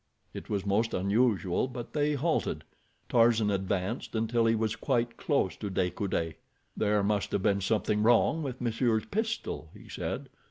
It was most unusual, but they halted. Tarzan advanced until he was quite close to De Coude. "There must have been something wrong with monsieur's pistol," he said.